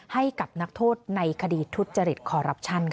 ให้กับนักโทษในคดีทุจริตคอรัปชั่นค่ะ